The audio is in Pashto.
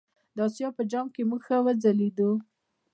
د آسیا په جام کې موږ ښه وځلیدو.